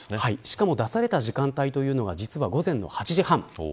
しかも出された時間帯というのが午前８時３０分。